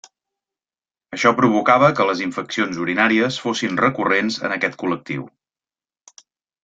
Això provocava que les infeccions urinàries fossin recurrents en aquest col·lectiu.